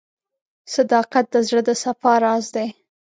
• صداقت د زړه د صفا راز دی.